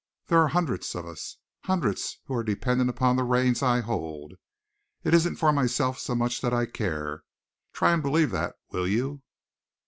There are hundreds of us, hundreds who are dependent upon the reins I hold. It isn't for myself so much that I care. Try and believe that, will you?"